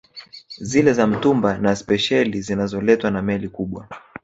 Zile za mtumba na spesheli zinazoletwa na Meli kubwa